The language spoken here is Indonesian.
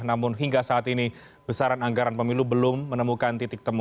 namun hingga saat ini besaran anggaran pemilu belum menemukan titik temu